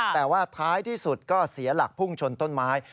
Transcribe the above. แต่ว่าท้ายที่สุดก็เสียหลักพุ่งชนต้นไม้